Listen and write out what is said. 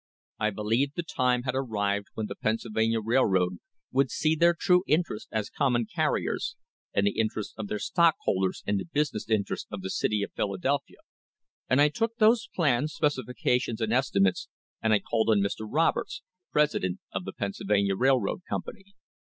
I believed the time had I arrived when the Pennsylvania Railroad would see their true interest as common I carriers, and the interest of their stockholders and the business interest of the city I of Philadelphia, and I took those plans, specifications, and estimates, and I called I on Mr. Roberts, president of the Pennsylvania Railroad Company.